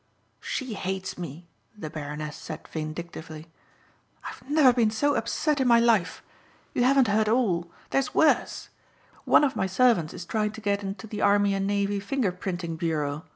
"She hates me," the Baroness said vindictively. "I've never been so upset in my life. You haven't heard all. There's worse. One of my servants is trying to get into the Army and Navy Finger printing Bureau.